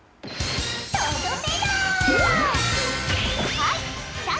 「はい」